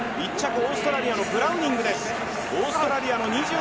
オーストラリアのブラウニングです、２３歳。